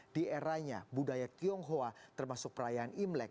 di eranya budaya tionghoa termasuk perayaan imlek